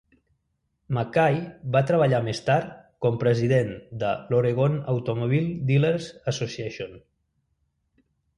McKay va treballar més tard com president de l"Oregon Automobile Dealer's Association.